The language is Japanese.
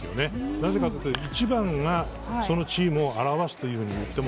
なぜかというと１番がそのチームを表すといっても